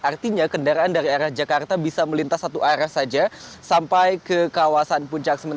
artinya kendaraan dari arah jakarta bisa melintas satu arah saja sampai ke kawasan puncak